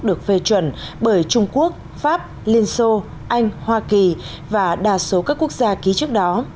được phê chuẩn bởi trung quốc pháp liên xô anh hoa kỳ và đa số các quốc gia ký trước đó